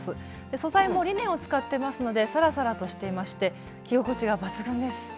素材もリネンを使ってますのでサラサラとしていまして着心地が抜群です。